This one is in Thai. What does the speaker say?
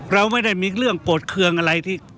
เราไม่ได้มีเรื่องโกรธเครื่องอะไรที่